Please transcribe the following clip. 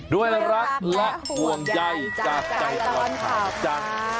ด้วยรักและห่วงใจจากใจตอนข่าวค่ะ